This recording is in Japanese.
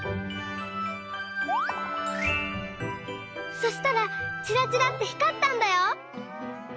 そしたらちらちらってひかったんだよ！